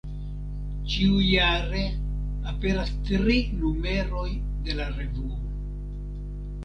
Ĉiujare aperas tri numeroj de la revuo.